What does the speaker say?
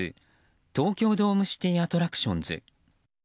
東京ドームシティ・アトラクションズ。